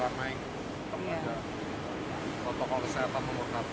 hampir ramai kalau ada protokol kesehatan mengurangkan